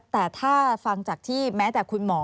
แต่ถ้าฟังจากที่แม้แต่คุณหมอ